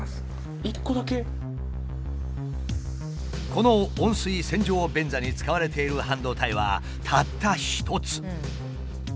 この温水洗浄便座に使われている半導体はたった一つ。